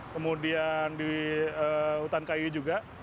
kemudian di hutan kayu juga